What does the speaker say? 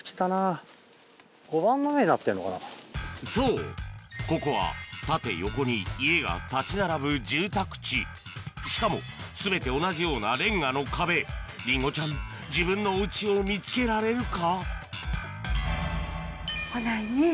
そうここは縦横に家が立ち並ぶ住宅地しかも全て同じようなレンガの壁リンゴちゃん自分のおウチを見つけられるか？